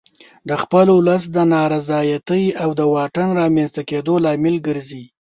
د خپل ولس د نارضایتي او د واټن رامنځته کېدو لامل ګرځي.